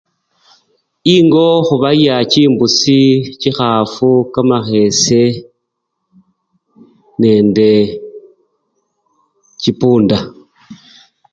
Ingo khubaya chimbusi, chikhafu, kamakhese nende chipunda.